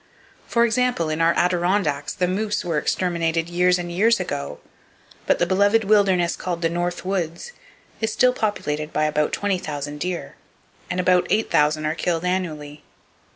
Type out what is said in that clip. For example, in our Adirondacks the moose were exterminated years and years ago, but the beloved wilderness called the "North Woods" still is populated by about 20,000 deer, and about 8,000 are killed annually.